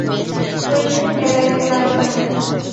দুইজনে বেড়াইতে লাগিলেন।